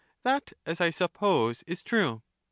That, as I suppose, is true.